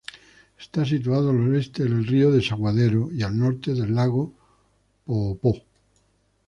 Está situado al oeste del Río Desaguadero y al norte del Lago Poopó.